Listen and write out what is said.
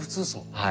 はい